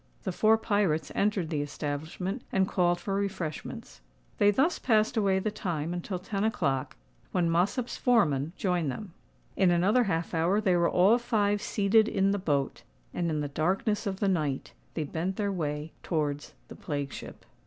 The four pirates entered the establishment, and called for refreshments. They thus passed away the time until ten o'clock, when Mossop's foreman joined them. In another half hour they were all five seated in the boat; and, in the darkness of the night, they bent their way towards the plague ship.